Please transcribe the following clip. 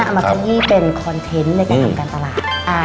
เอามาขยี้เป็นคอนเทนต์ในการทำการตลาด